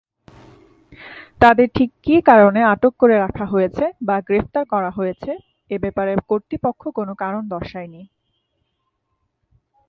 তাদের ঠিক কি কারণে আটক করে রাখা হয়েছে বা গ্রেপ্তার করা হয়েছে, এ ব্যাপারে কর্তৃপক্ষ কোন কারণ দর্শায়নি।